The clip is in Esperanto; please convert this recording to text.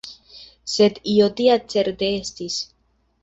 Sed io tia certe estis.